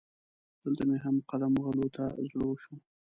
دلته مې هم قدم وهلو ته زړه وشو.